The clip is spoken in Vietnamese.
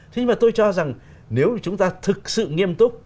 thế mà tôi cho rằng nếu chúng ta thực sự nghiêm túc